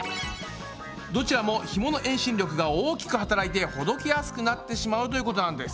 どちらもひもの遠心力が大きく働いてほどけやすくなってしまうということなんです。